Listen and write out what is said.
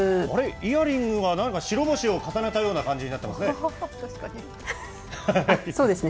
イヤリングがなんか白星を重ねたような感じになってますね。